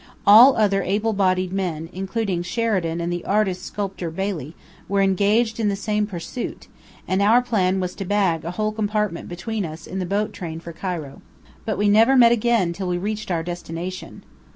All other able bodied men, including Sheridan and the artist sculptor Bailey, were engaged in the same pursuit, and our plan was to "bag" a whole compartment between us in the boat special for Cairo. But we never met again till we reached our destination.